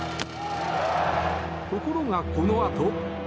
ところが、このあと。